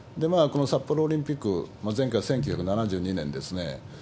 この札幌オリンピック、前回１９７２年ですね。